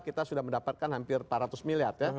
kita sudah mendapatkan hampir empat ratus miliar ya